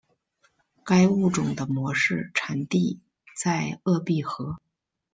该物种的模式产地在鄂毕河。